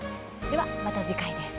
では、また次回です。